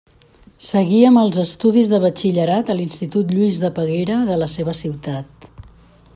Seguí amb els estudis de batxillerat a l’Institut Lluís de Peguera de la seva ciutat.